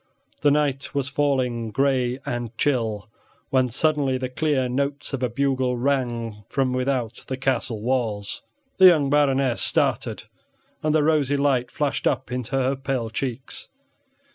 The night was falling gray and chill, when suddenly the clear notes of a bugle rang from without the castle walls. The young Baroness started, and the rosy light flashed up into her pale cheeks.